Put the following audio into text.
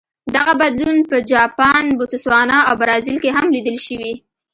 دغه بدلون په جاپان، بوتسوانا او برازیل کې هم لیدل شوی.